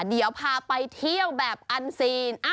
เดี๋ยวพาไปเที่ยวแบบอันซีน